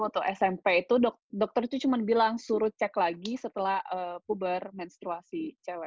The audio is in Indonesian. waktu smp itu dokter itu cuma bilang suruh cek lagi setelah puber menstruasi cewek